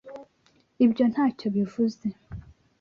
Ibyo ntacyo bivuze?